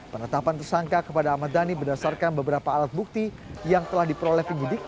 penetapan tersangka kepada ahmad dhani berdasarkan beberapa alat bukti yang telah diperoleh penyidik